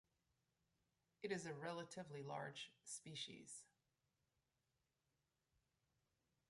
It is a relatively large species.